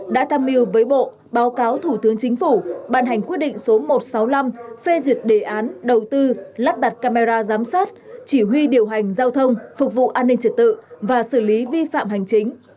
đã tham mưu với bộ báo cáo thủ tướng chính phủ bàn hành quyết định số một trăm sáu mươi năm phê duyệt đề án đầu tư lắp đặt camera giám sát chỉ huy điều hành giao thông phục vụ an ninh trật tự và xử lý vi phạm hành chính